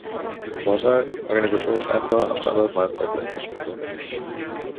Vorteil: organisatorisch einfacher, am Startort meist bessere Infrastruktur.